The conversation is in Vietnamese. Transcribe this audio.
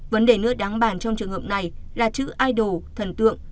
vấn đề nước đáng bàn trong trường hợp này là chữ idol thần tượng